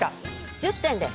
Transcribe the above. １０点です。